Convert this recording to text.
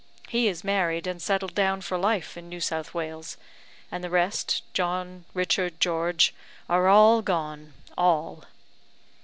He is married, and settled down for life in New South Wales; and the rest John, Richard, George, are all gone all!"